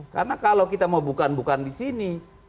karena kalau kita mau bukaan bukaan di sini